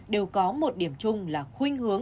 đều có một điểm chung là khuyên hướng